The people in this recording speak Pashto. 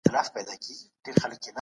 هر انسان نسي کولای ښه ادئب سي.